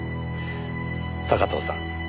高塔さん。